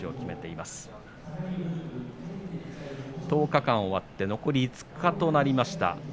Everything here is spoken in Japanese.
１０日間終わって残り５日となりました。